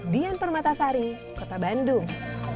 dian permatasari kota bandung